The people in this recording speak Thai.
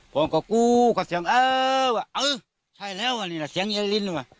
ผมก็กู้ก็เสียงเอ้อเอ้อใช่แล้วนี่แหละเสียงเย้ลิ้น